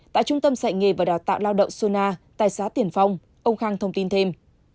tại trung tâm dạy nghề và đào tạo lao động sona tại xã tiền phong ông khang thông tin thêm